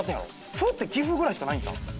「ふ」って岐阜ぐらいしかないんちゃう？